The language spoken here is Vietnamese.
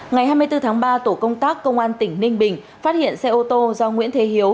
ngày hai mươi bốn tháng ba tổ công tác công an tỉnh ninh bình phát hiện xe ô tô do nguyễn thế hiếu